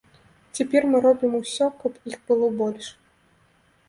Цяпер мы робім усё, каб іх было больш.